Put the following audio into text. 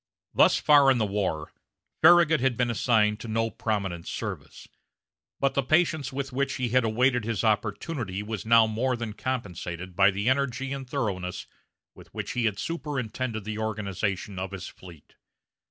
Thus far in the war, Farragut had been assigned to no prominent service, but the patience with which he had awaited his opportunity was now more than compensated by the energy and thoroughness with which he superintended the organization of his fleet.